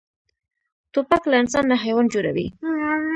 توپک له انسان نه حیوان جوړوي.